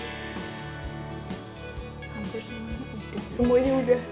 hampir semuanya udah